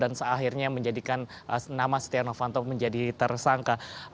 dan seakhirnya menjadikan nama setia novanto menjadi tersangka